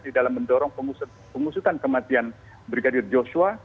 di dalam mendorong pengusutan kematian brigadir joshua